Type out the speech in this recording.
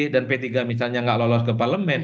dan p tiga misalnya tidak lolos ke parlement